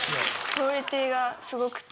クオリティーがすごくて。